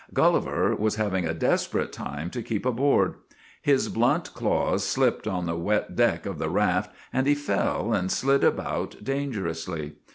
" Gulliver was having a desperate time to keep aboard. His blunt claws slipped on the wet deck of the raft, and he fell and slid about dangerously.